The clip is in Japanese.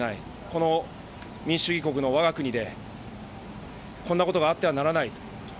この民主主義国の我が国でこんなことがあってはならない。